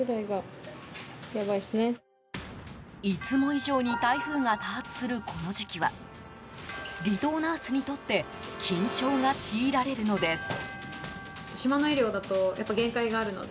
いつも以上に台風が多発するこの時期は離島ナースにとって緊張が強いられるのです。